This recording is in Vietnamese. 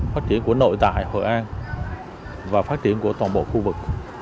phát triển của nội tại hội an và phát triển của toàn bộ khu vực